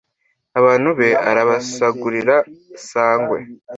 abantu be arabasagurira sangwe